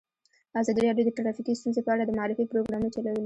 ازادي راډیو د ټرافیکي ستونزې په اړه د معارفې پروګرامونه چلولي.